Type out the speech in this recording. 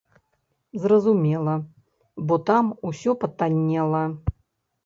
Зразумела, бо там усё патаннела.